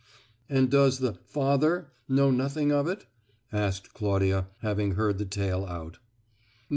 "And does the 'father' know nothing of it?" asked Claudia, having heard the tale out.